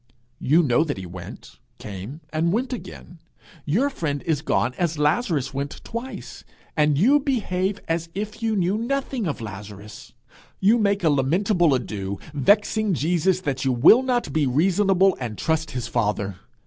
You know that he went, came, and went again. Your friend is gone as Lazarus went twice, and you behave as if you knew nothing of Lazarus. You make a lamentable ado, vexing Jesus that you will not be reasonable and trust his father!